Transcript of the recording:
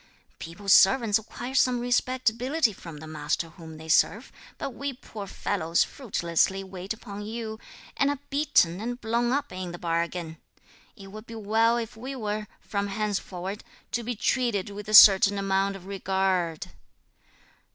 People's servants acquire some respectability from the master whom they serve, but we poor fellows fruitlessly wait upon you, and are beaten and blown up in the bargain. It would be well if we were, from henceforward, to be treated with a certain amount of regard."